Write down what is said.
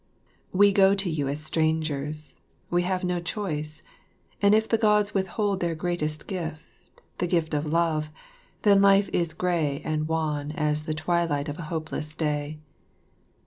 We go to you as strangers, we have no choice, and if the Gods withhold their greatest gift, the gift of love, then life is grey and wan as the twilight of a hopeless day.